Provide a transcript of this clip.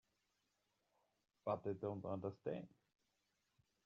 But I don't understand.